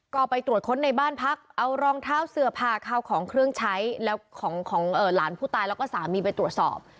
ก็ไปตรวจค้นในบ้านพักเอารองเท้าเสื้อผ้าข้าวของเครื่องใช้แล้วของหลานผู้ตายแล้วก็สามีไปตรวจสอบ